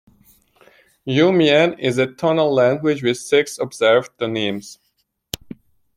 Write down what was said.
Iu Mien is a tonal language with six observed tonemes.